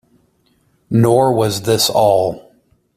Nor was this all.